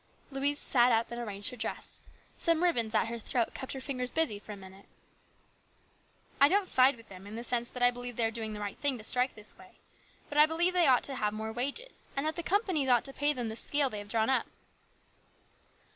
Louise sat up and arranged her dress. Some ribbons at her throat kept her fingers busy for a minute. " I don't side with them in the sense that I believe they are doing the right thing to strike this way. But I believe they ought to have more wages, and that the companies ought to pay them the scale they have drawn up."